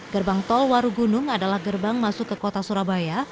gerbang tol warugunung adalah gerbang masuk ke kota surabaya